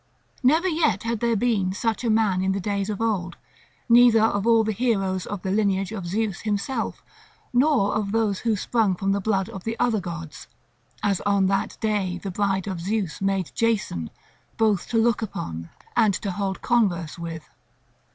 Never yet had there been such a man in the days of old, neither of all the heroes of the lineage of Zeus himself, nor of those who sprung from the blood of the other gods, as on that day the bride of Zeus made Jason, both to look upon and to hold converse with.